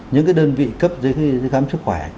những cái đơn vị cấp chế khám sức khỏe